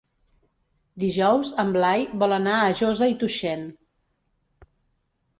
Dijous en Blai vol anar a Josa i Tuixén.